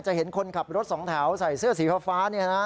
เห็นคนขับรถสองแถวใส่เสื้อสีฟ้าเนี่ยนะ